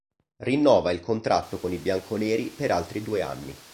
Rinnova il contratto con i bianconeri per altri due anni.